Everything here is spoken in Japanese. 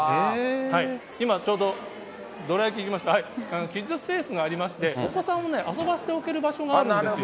今ちょうど、どら焼きいきますか、キッズスペースがありまして、お子さんを遊ばせておける場所があるんですよ。